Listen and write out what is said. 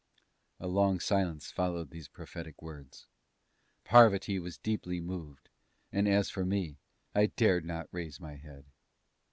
A long silence followed these prophetic words. Parvati was deeply moved, and as for me, I dared not raise my head.